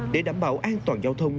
để đảm bảo an toàn giao thông